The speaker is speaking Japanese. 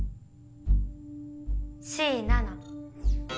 Ｃ７。